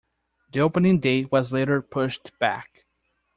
The opening date was later pushed back.